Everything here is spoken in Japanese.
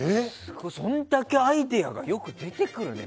そんだけアイデアがよく出てくるね。